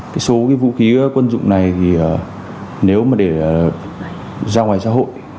cái số vũ khí quân dụng này nếu mà để ra ngoài xã hội